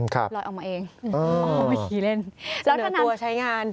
ครับออกมาเองขี่เล่นเจนตัวใช้งาน